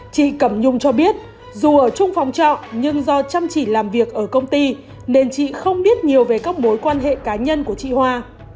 chị cẩm nhung cho biết dù ở chung phòng trọ nhưng do chăm chỉ làm việc ở công ty nên chị không biết nhiều về các mối quan hệ cá nhân của chị hoa